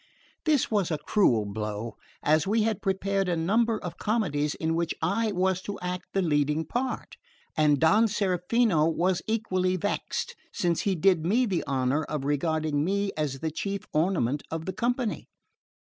This was a cruel blow, as we had prepared a number of comedies in which I was to act the leading part; and Don Serafino was equally vexed, since he did me the honour of regarding me as the chief ornament of the company.